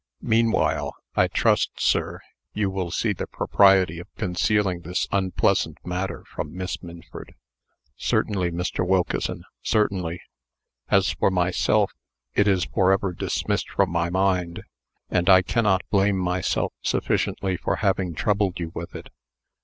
Meanwhile, I trust, sir, you will see the propriety of concealing this unpleasant matter from Miss Minford." "Certainly, Mr. Wilkeson, certainly. As for myself, it is forever dismissed from my mind; and I cannot blame myself sufficiently for having troubled you with it."